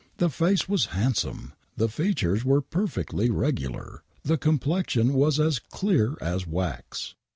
The face was handsome ! The features were perfectly regular ! The complexion was as clear as wax